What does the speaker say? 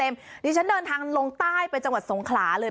ดิฉันเดินทางลงใต้ไปจังหวัดสงขลาเลย